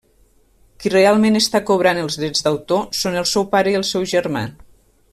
Qui realment està cobrant els drets d'autor són el seu pare i el seu germà.